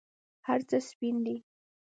هرڅه سپین دي